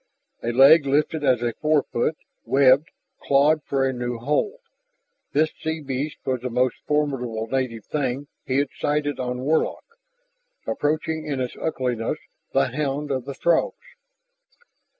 A leg lifted as a forefoot, webbed, clawed for a new hold. This sea beast was the most formidable native thing he had sighted on Warlock, approaching in its ugliness the hound of the Throgs.